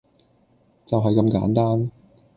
就係咁簡單